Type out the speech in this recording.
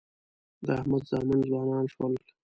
د احمد زامن ځوانان شول.